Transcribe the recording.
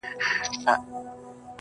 په یوه شېبه پر ملا باندي ماتېږې!.